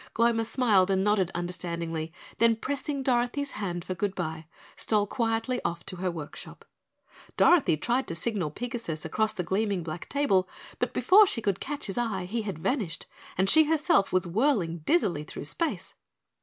Gloma smiled and nodded understandingly, then pressing Dorothy's hand for "Goodbye," stole quietly off to her workshop. Dorothy tried to signal Pigasus across the gleaming black table, but before she could catch his eye he had vanished, and she herself was whirling dizzily through space.